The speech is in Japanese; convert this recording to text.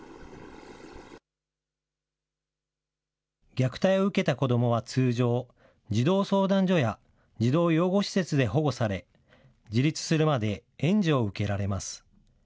虐待を受けた子どもは通常、児童相談所や児童養護施設で保護され、自立するまで援助を受けられます。